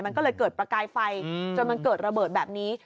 มันก็เลยเกิดประกายไฟจนมันเกิดระเบิดแบบนี้